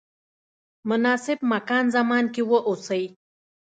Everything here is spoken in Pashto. مناسب مکان زمان کې واوسئ.